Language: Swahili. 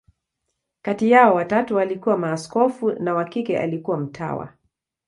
Kati yao, watatu walikuwa maaskofu, na wa kike alikuwa mtawa.